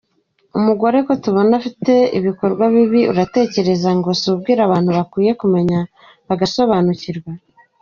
Umugore ko tubona afite ibikorwa bibi uratekereza ngo si ubwiru abantu bakwiye kumenya bagasobanukirwa.